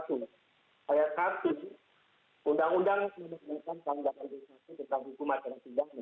saya kata itu undang undang yang menunjukkan tanggapan desa itu tentang hukuman terhadap bidangnya